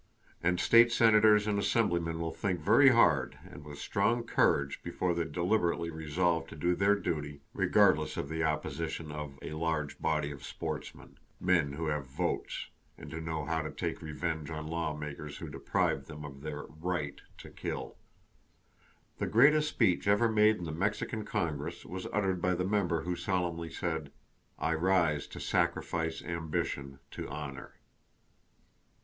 And state senators and assemblymen will think very hard and with strong courage before they deliberately resolve to do their duty regardless of the opposition of "a large body of sportsmen,"—men who have votes, and who know how to take revenge on lawmakers who deprive them of their "right" to kill. The greatest speech ever made in the Mexican Congress was uttered by the member who solemnly said: "I rise to sacrifice ambition to honor!"